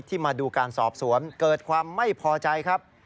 มาดูการสอบสวนเกิดความไม่พอใจครับ